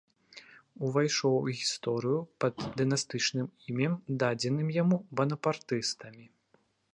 Увайшоў у гісторыю пад дынастычным імем, дадзеным яму банапартыстамі.